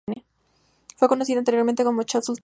Fue conocida anteriormente como Chosun Tire.